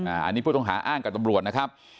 อันนี้ผู้ต้องหาอ้างกับตำรวจนะครับ